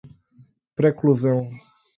preclusão